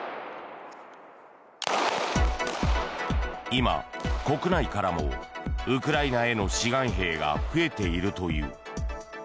今、国内からもウクライナへの志願兵が増えているという。